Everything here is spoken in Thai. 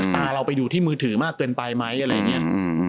เราไปดูที่มือถือมากเกินไปไหมอะไรอย่างนี้